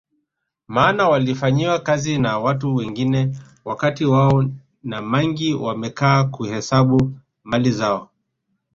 Maana walifanyiwa kazi na watu wengine wakati wao Ma mangi wamekaa kuhesabu mali zao